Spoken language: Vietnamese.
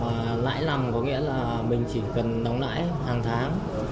mà lãi lầm có nghĩa là mình chỉ cần đóng lãi hàng tháng